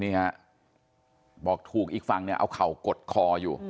อีกฝั่งนี้เอาเข่ากดคออยู่